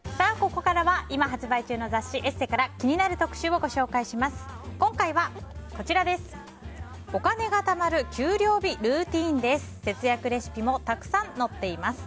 ここからは今発売中の雑誌「ＥＳＳＥ」から気になる特集をご紹介します。